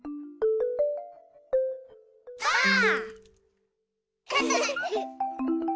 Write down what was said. ばあっ！